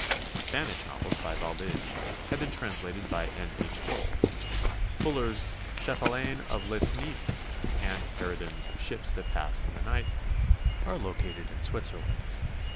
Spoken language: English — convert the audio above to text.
Spanish novels by Valdes have been translated by N. H. Dole. Fuller's "Chat elaine of La Trinite" and Harraden's "Ships That Pass in the Night" are located in .Switzerland.